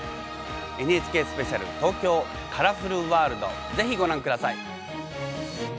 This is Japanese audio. ＮＨＫスペシャル「ＴＯＫＹＯカラフルワールド」是非ご覧ください。